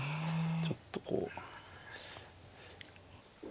ちょっとこう。